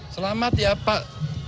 selamat ya pak